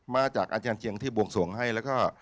อาจารย์เจียงที่บวงสวงให้แล้วก็